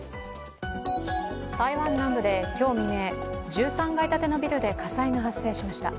台湾南部で今日未明、１３階建てのビルで火災が発生しました。